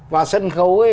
và sân khấu ấy